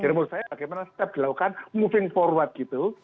jadi menurut saya bagaimana step dilakukan moving forward gitu